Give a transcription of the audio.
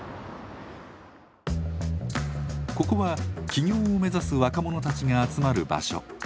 ここは起業を目指す若者たちが集まる場所。